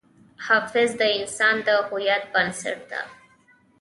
حافظه د انسان د هویت بنسټ ده.